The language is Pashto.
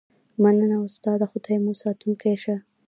مننه استاده خدای مو ساتونکی شه